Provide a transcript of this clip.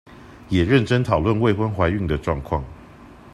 也認真討論未婚懷孕的狀況